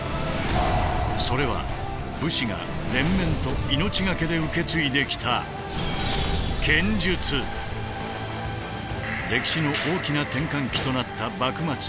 それは武士が連綿と命懸けで受け継いできた歴史の大きな転換期となった幕末。